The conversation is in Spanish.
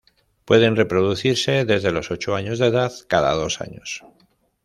Pueden reproducirse desde los ocho años de edad, cada dos años.